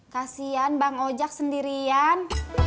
kasian bang ojak sendirian